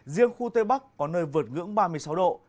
riêng khu tây bắc có nơi vượt ngưỡng ba mươi sáu độ